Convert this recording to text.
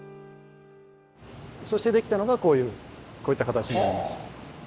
そしてできたのがこういうこういった形になります。